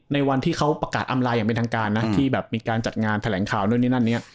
ในวันที่เขาประกาศอำไลน์อย่างเป็นทางการนะที่แบบมีการจัดงานแถลงข่าวนู่นนี่นั่นเนี่ย